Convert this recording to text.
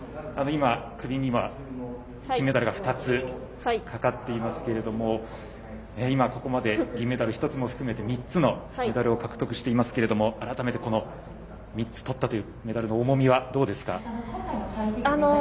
今、首には金メダルが２つかかっていますけれども今ここまで銀メダル１つも含めて３つメダルを獲得していますが改めて３つ取ったというメダルの重みはどうですか？